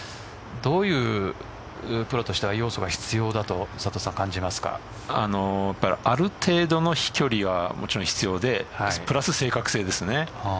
プロとしてはどういう要素がある程度の飛距離はもちろん必要でプラス正確性ですね。